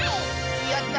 やった！